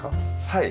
はい。